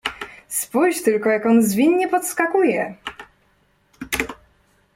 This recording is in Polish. "Spójrz tylko, jak on zwinnie podskakuje."